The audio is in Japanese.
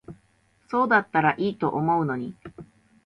そうだったら良いと思うのに。